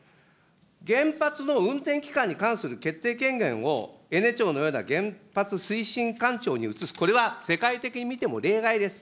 原発の運転期間に関する決定権限を、エネ庁のような原発推進官庁に移す、これは世界的に見ても例外です。